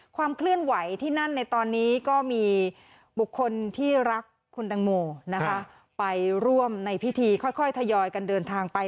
ความเคลื่อนไหวที่นั่นในตอนนี้ก็มีบุคคลที่รักคุณตังโมนะคะไปร่วมในพิธีค่อยทยอยกันเดินทางไป